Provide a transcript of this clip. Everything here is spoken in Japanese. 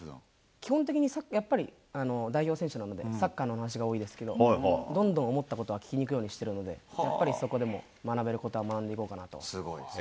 基本的にやっぱり代表選手なので、サッカーの話が多いですけど、どんどん思ったことは聞きにいくようにしてるので、やっぱりそこでも学べることは学んでいこすごい。